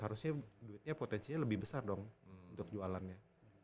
harusnya duitnya potensinya lebih besar dong untuk jualannya